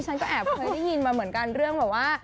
ฉันก็แอบเคยได้ยินมาเหมือนกันเรื่องแบบว่า